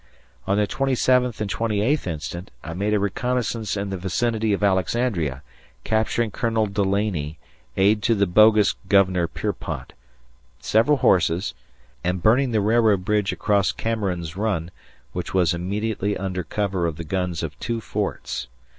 On the 27th and 28th instant, I made a reconnaissance in the vicinity of Alexandria, capturing Colonel Dulaney, aide to the bogus Governor Pierpont, several horses, and burning the railroad bridge across Cameron's Run, which was immediately under cover of the guns of two forts.